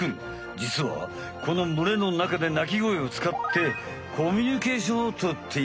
じつはこのむれのなかで鳴き声を使ってコミュニケーションをとっているんだ。